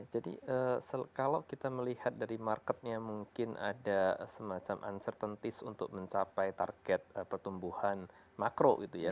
jadi kalau kita melihat dari marketnya mungkin ada semacam uncertainty untuk mencapai target pertumbuhan makro gitu ya